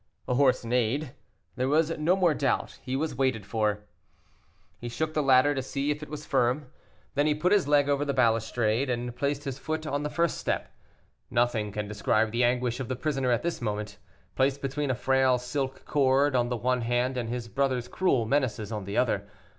A horse neighed; there was no more doubt he was waited for. He shook the ladder to see if it was firm, then he put his leg over the balustrade and placed his foot on the first step. Nothing can describe the anguish of the prisoner at this moment, placed between a frail silk cord on the one hand and his brother's cruel menaces on the other.